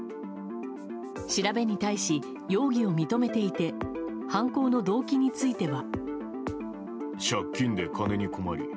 調べに対し、容疑を認めていて犯行の動機については。